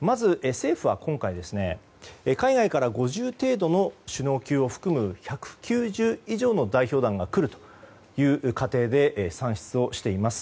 まず政府は今回海外から５０程度の首脳級を含む１９０以上の代表団が来るという仮定で算出しています。